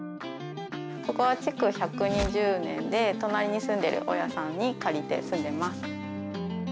ここは築１２０年で隣に住んでる大家さんに借りて住んでます。